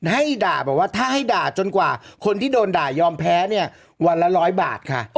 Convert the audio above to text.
ให้ด่าบอกว่าถ้าให้ด่าจนกว่าคนที่โดนด่ายอมแพ้เนี่ยวันละ๑๐๐บาทค่ะ